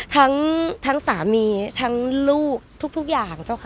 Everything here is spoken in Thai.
ทั้งสามีทั้งลูกทุกอย่างเจ้าค่ะ